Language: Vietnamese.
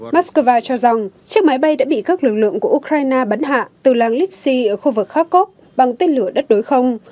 mắc cơ va cho rằng chiếc máy bay đã bị các lực lượng của ukraine bắn hạ từ làng lipsi ở khu vực kharkov bằng tên lửa đất đối không